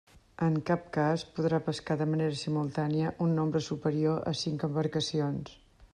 En cap cas podrà pescar de manera simultània un nombre superior a cinc embarcacions.